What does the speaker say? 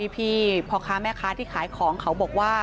พี่พ่อค้าแม่ค้าที่ขายของเขาบอกว่า